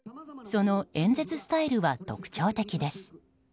その演説スタイルは特徴的です。